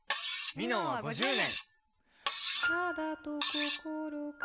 「ミノン」は５０年！